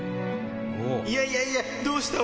いやいやいや、どうした俺？